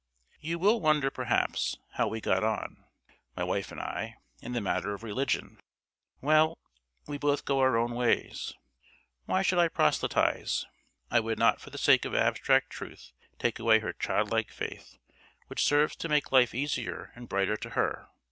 You will wonder, perhaps, how we get on my wife and I in the matter of religion. Well, we both go our own ways. Why should I proselytise? I would not for the sake of abstract truth take away her child like faith which serves to make life easier and brighter to her.